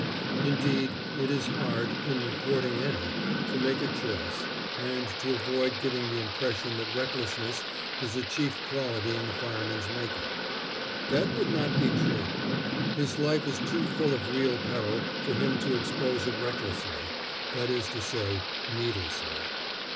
Indeed, it is hard, in recording any, to make a choice, and to avoid giving the impression that recklessness is a chief quality in the fireman's make up. That would not be true. His life is too full of real peril for him to expose it recklessly that is to say, needlessly.